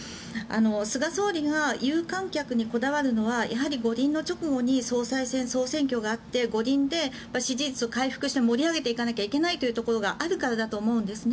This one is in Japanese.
菅総理が有観客にこだわるのはやはり五輪の直後に総裁選、総選挙があって五輪で支持率を回復して盛り上げていかなくてはいけないというところがあるからだと思うんですね。